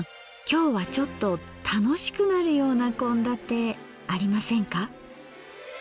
今日はちょっと楽しくなるような献立ありませんか？